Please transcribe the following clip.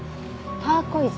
ターコイズ？